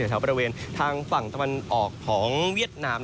แถวบริเวณทางฝั่งตะวันออกของเวียดนาม